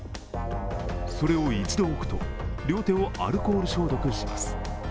それを一度置くと、両手をアルコール消毒します。